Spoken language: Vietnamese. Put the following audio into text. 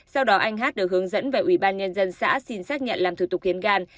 sau đó anh hát được hướng dẫn về ủy ban nhân dân xã xin xác nhận làm thủ tục hiến gan